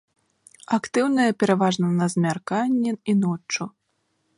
Актыўная пераважна на змярканні і ноччу.